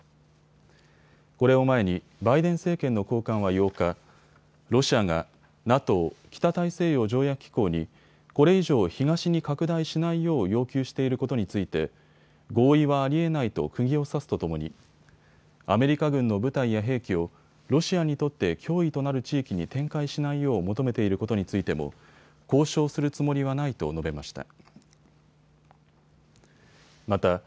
これを前にバイデン政権の高官は８日、ロシアがＮＡＴＯ・北大西洋条約機構にこれ以上、東に拡大しないよう要求していることについて合意はありえないとくぎを刺すとともにアメリカ軍の部隊や兵器をロシアにとって脅威となる地域に展開しないよう求めていることについても交渉するつもりはないと述べました。